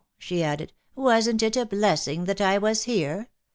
she added, a Wasn't it a blessing that I was here